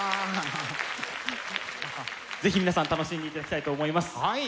是非皆さん楽しんでいただきたいと思います。